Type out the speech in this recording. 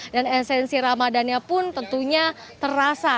dan esensi ramadannya pun tentunya terasa